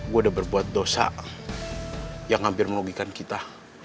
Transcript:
gue udah berbuat dosa yang hampir merugikan kita